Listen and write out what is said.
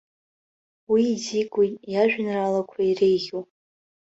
Уи изикуеит иажәеинраалақәа иреиӷьу.